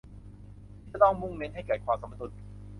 ที่จะต้องมุ่งเน้นให้เกิดความสมดุล